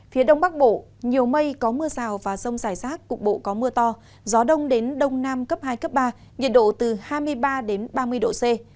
phía đông bắc bộ nhiều mây có mưa rào và rông rải rác cục bộ có mưa to gió đông đến đông nam cấp hai cấp ba nhiệt độ từ hai mươi ba đến ba mươi độ c